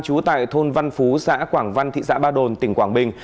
trú tại thôn văn phú xã quảng văn thị xã ba đồn tỉnh quảng bình